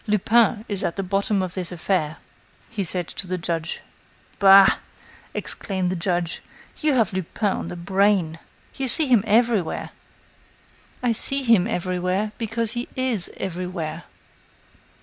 "Lupin is at the bottom of this affair," he said to the judge. "Bah!" exclaimed the judge, "you have Lupin on the brain. You see him everywhere." "I see him everywhere, because he is everywhere."